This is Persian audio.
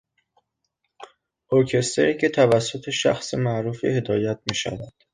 ارکستری که توسط شخص معروفی هدایت میشود